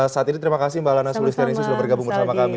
saat ini terima kasih mbak lana sulistianisi sudah bergabung bersama kami